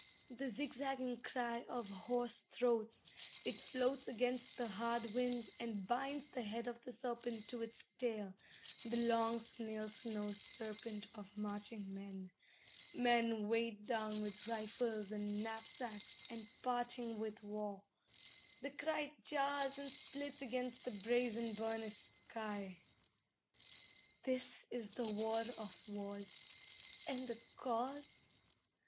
The zigzagging cry of hoarse throats, it floats against the hard winds, and binds the head of the serpent to its tail, the long snail slow serpent of marching men. Men weighed down with rifles and knapsacks, and parching with war. The cry jars and splits against the brazen, burnished sky. This is the war of wars, and the cause?